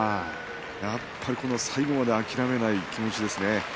やっぱり最後まで諦めない気持ちですね。